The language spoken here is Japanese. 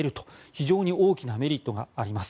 非常に大きなメリットがあります。